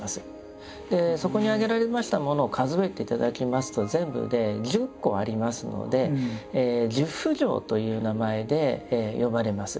そこに挙げられましたものを数えて頂きますと全部で１０個ありますので「十不浄」という名前で呼ばれます。